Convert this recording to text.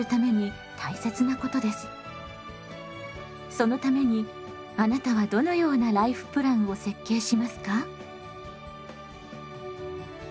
そのためにあなたはどのようなライフプランを設計しますか？